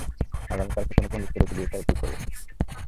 আগামীকালই কোনো পন্ডিতকে ডেকে, বিয়ের তারিখ ঠিক করবো।